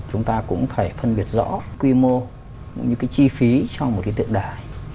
chúng ta cũng phải phân biệt rõ quy mô những cái chi phí trong một cái tượng đài